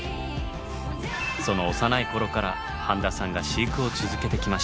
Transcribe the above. その幼い頃から半田さんが飼育を続けてきました。